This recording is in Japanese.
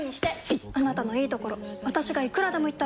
いっあなたのいいところ私がいくらでも言ってあげる！